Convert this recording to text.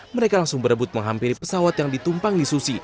mereka langsung berebut menghampiri pesawat yang ditumpang di susi